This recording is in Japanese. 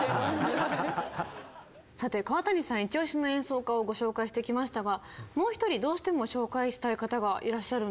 さて川谷さんイチ押しの演奏家をご紹介してきましたがもう一人どうしても紹介したい方がいらっしゃるんですよね？